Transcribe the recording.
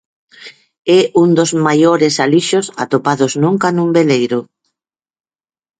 É un dos maiores alixos atopados nunca nun veleiro.